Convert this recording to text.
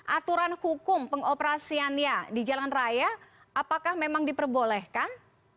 aturan hukum pengoperasiannya di jalan raya apakah memang diperbolehkan